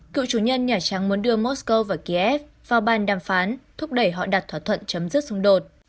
cựu chủ nhân nhà trắng muốn đưa mosco và kiev vào bàn đàm phán thúc đẩy họ đặt thỏa thuận chấm dứt xung đột